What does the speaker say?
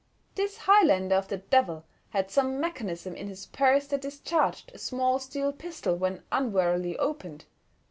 This Highlander of the Devil had some mechanism in his purse that discharged a small steel pistol when unwarily opened.